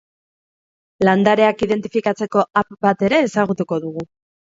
Landareak identifikatzeko app bat ere ezagutuko dugu.